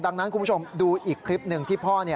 ดังนั้นคุณผู้ชมดูอีกคลิปหนึ่งที่พ่อ